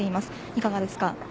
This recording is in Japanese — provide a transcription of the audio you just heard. いかがですか？